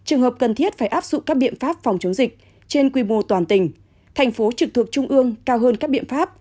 trường hợp cần thiết phải áp dụng các biện pháp phòng chống dịch trên quy mô toàn tỉnh thành phố trực thuộc trung ương cao hơn các biện pháp